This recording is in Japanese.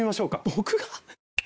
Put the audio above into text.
僕が？